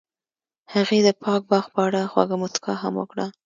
هغې د پاک باغ په اړه خوږه موسکا هم وکړه.